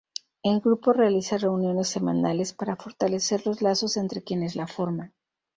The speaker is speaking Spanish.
El grupo realiza reuniones semanales para fortalecer los lazos entre quienes la forman.